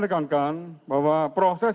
dekankan bahwa proses